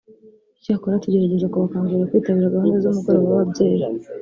Icyakora tugerageza kubakangurira kwitabira gahunda z’umugoroba w’ababyeyi